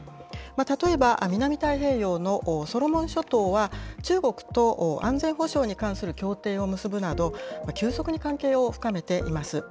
例えば、南太平洋のソロモン諸島は、中国と安全保障に関する協定を結ぶなど、急速に関係を深めています。